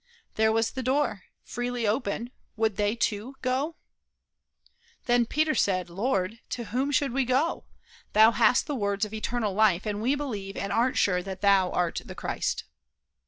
There was the door, freely open, would they, too, go? Then said Peter: "Lord, to whom should we go? Thou hast the words of eternal life, and we believe and are sure that thou art the Christ."